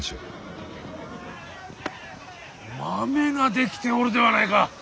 マメが出来ておるではないか。